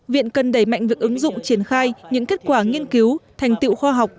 viện cần đẩy mạnh việc ứng dụng triển khai những kết quả nghiên cứu thành tựu khoa học